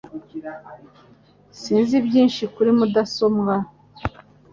Sinzi byinshi kuri mudasobwa